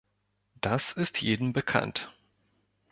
Das ist jedem bekannt.